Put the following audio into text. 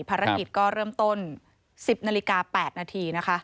ภารกิจก็เริ่มต้น๑๐นาฬิกา๘นาทีนะคะ